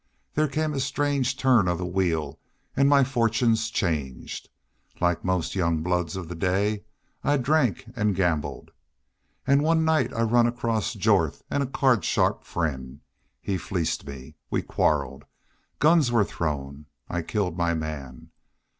There came a strange turn of the wheel an' my fortunes changed. Like most young bloods of the day, I drank an' gambled. An' one night I run across Jorth an' a card sharp friend. He fleeced me. We quarreled. Guns were thrown. I killed my man....